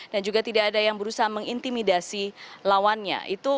dan juga tidak ada yang berusaha mengintimidasi lawannya